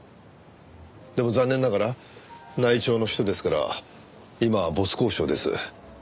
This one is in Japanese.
でも残念ながら内調の人ですから今は没交渉です。